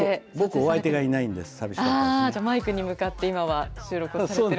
じゃあ、マイクに向かって今は、収録されて。